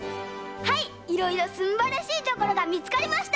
はいいろいろすんばらしいところがみつかりました！